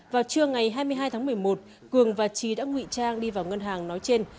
vào trưa ngày hai mươi hai tháng một mươi một cường và trí đã ngụy trang đi vào ngân hàng nói trên